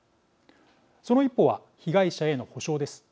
その一歩は被害者への補償です。